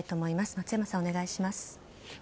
松山さん、お願いします。